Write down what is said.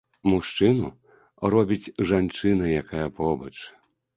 Мужчыну робіць жанчына, якая побач.